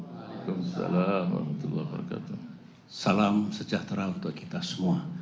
wa'alaikumsalam warahmatullahi wabarakatuh